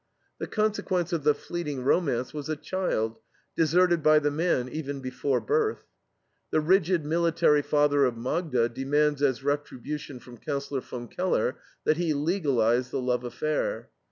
The consequence of the fleeting romance was a child, deserted by the man even before birth. The rigid military father of Magda demands as retribution from Councillor Von Keller that he legalize the love affair.